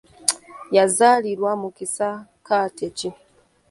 Yazaalirwa mu kisaakaate ki?